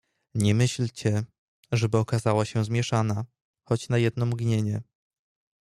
"Nie myślcie, żeby okazała się zmieszana, choć na jedno mgnienie."